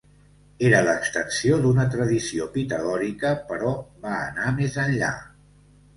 Era l'extensió d'una tradició pitagòrica però va anar més enllà.